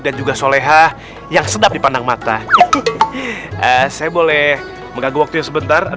ya udah pilih aja ajaotic bitter forever